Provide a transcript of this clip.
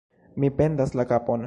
Mi perdas la kapon!